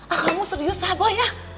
ah kamu serius sabo ya